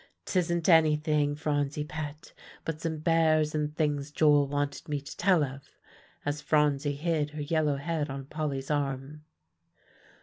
'Tisn't anything, Phronsie pet, but some bears and things Joel wanted me to tell of" as Phronsie hid her yellow head on Polly's arm.